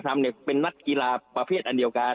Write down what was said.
ทำเป็นนักกีฬาประเภทอันเดียวกัน